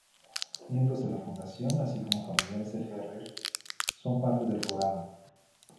Miembros de la Fundación, así como familiares de Ferrer, son parte del jurado.